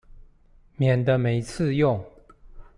免得每次用